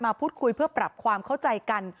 พูดคุยเพื่อปรับความเข้าใจกัน